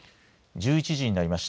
１１時になりました。